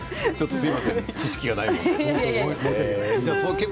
すみません知識がなくて。